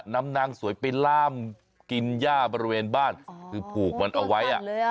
นำนางสวยไปล่ามกินย่าบริเวณบ้านคือผูกมันเอาไว้โอ้โหสั่นเลยอ่ะ